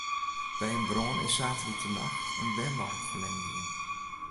By in brân is saterdeitenacht in wenwein ferlern gien.